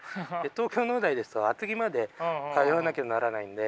東京農大ですと厚木まで通わなきゃならないんで。